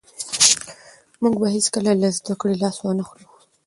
موږ به هېڅکله له زده کړې لاس ونه اخلو.